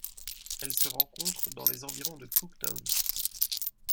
Elle se rencontre dans les environs de Cooktown.